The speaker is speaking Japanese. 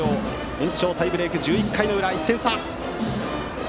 延長タイブレーク１１回の裏、１点差。